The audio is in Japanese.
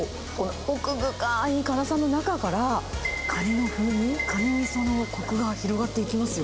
奥深い辛さの中から、カニの風味、カニみそのこくが広がっていきますよ。